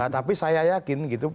tapi saya yakin gitu